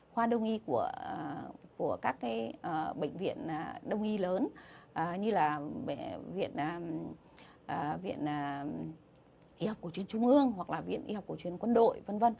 khoa đồng nghi của các cái bệnh viện đồng nghi lớn như là viện y học cổ truyền trung ương hoặc là viện y học cổ truyền quân đội v v